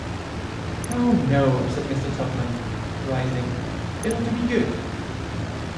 ‘No, no,’ said Mr. Tupman, rising; ‘it will do me good'.